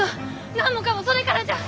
何もかんもそれからじゃ！